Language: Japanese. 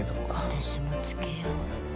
私もつけよう。